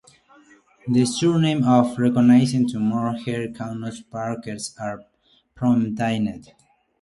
The surname is often romanized as Mok where Cantonese speakers are prominent.